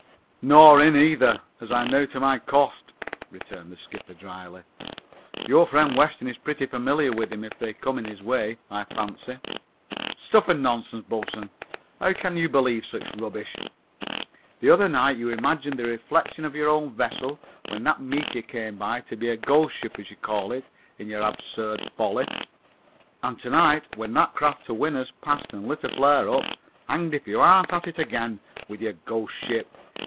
"Nor in, either, as I know to my cost," returned the skipper drily. "Your friend Weston is pretty familiar with them, if they come in his way, I fancy! Stuff and nonsense, bo'sun; how can you believe such rubbish? The other night you imagined the reflection of our own vessel, when that meteor came by, to be a ghost ship, as you call it in your absurd folly; and to night, when that craft to win'rd passed and lit a flare up, hanged if you aren't at it again with your ghost ship!